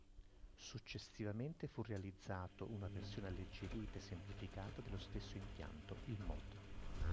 Successivamente fu realizzato una versione alleggerita e semplificata dello stesso impianto, il Mod.